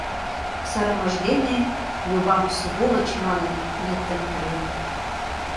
Сырымыж дене, Любам «сволочь» манын, лектын каен.